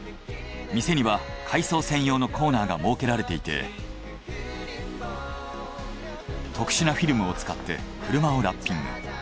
店には改装専用のコーナーが設けられていて特殊なフィルムを使って車をラッピング。